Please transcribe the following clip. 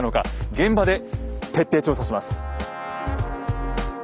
現場で徹底調査します。